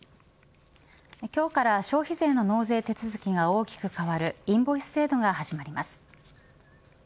今日から消費税の納税手続きが大きく変わるインボイス制度が始まります。